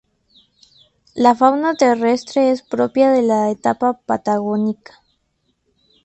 La fauna terrestre es propia de la estepa patagónica.